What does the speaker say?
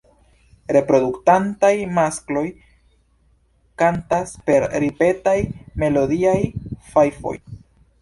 Reproduktantaj maskloj kantas per ripetaj melodiaj fajfoj.